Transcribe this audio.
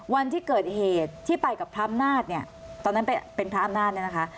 วันที่เกิดเหตุที่ไปกับพระอำนาจเนี่ยตอนนั้นเป็นพระอำนาจเนี่ยนะคะ